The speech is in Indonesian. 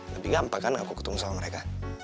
lebih gampang kan aku ketemu sama mereka